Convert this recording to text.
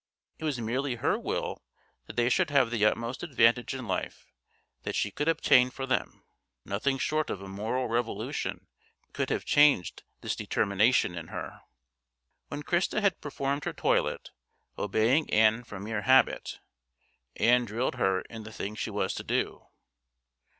It was merely her will that they should have the utmost advantage in life that she could obtain for them. Nothing short of a moral revolution could have changed this determination in her. When Christa had performed her toilet, obeying Ann from mere habit, Ann drilled her in the thing she was to do.